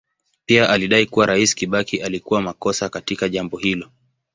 Pia alidai kuwa Rais Kibaki alikuwa makosa katika jambo hilo.